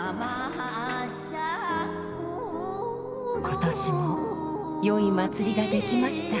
今年もよい祭りができました。